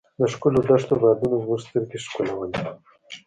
د ښکلو دښتو بادونو زموږ سترګې ښکلولې.